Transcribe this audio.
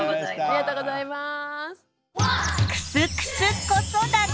ありがとうございます。